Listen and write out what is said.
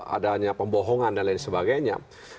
adanya pembohongan dan lain sebagainya